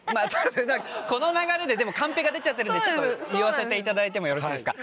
この流れでカンペが出ちゃってるんでちょっと言わせていただいてもよろしいですか？